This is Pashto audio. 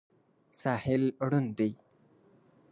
ساحل ړوند دی.